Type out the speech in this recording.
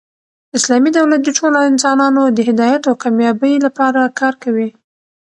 اسلامي دولت د ټولو انسانانو د هدایت او کامبابۍ له پاره کار کوي.